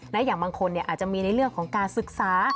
และอย่างบางคนอาจจะมีในเรื่องของการศึกษา